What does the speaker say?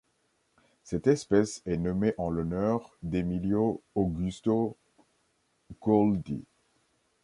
Cette espèce est nommée en l'honneur d'Emílio Augusto Goeldi.